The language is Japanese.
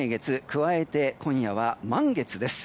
加えて今夜は満月です。